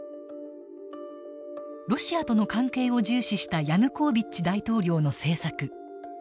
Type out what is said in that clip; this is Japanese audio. ロシアとの関係を重視したヤヌコービッチ大統領の政策。